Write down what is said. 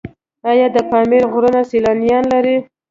آیا د پامیر غرونه سیلانیان لري؟